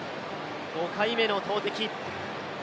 ５回目の投てき。